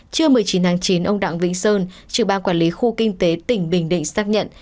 trưa một mươi chín tháng chín ông đặng vĩnh sơn trưởng ban quản lý khu kinh tế tỉnh bình định xác nhận